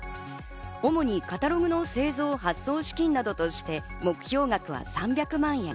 主にカタログの製造、発送資金などとして、目標額は３００万円。